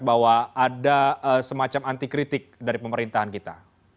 bahwa ada semacam anti kritik dari pemerintahan kita